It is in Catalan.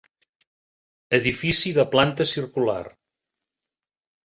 Edifici de planta circular.